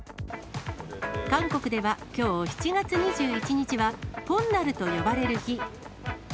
韓国ではきょう７月２１日は、ポンナルと呼ばれる日。